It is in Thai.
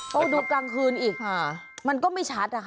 ก็ดูกลางคืนอีกมันก็ไม่ชัด